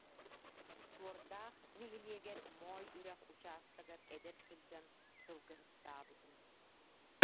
Суордаах нэһилиэгэр, Моой Үрэх учаастагар эдэр сылдьан сылгыһыттаабытым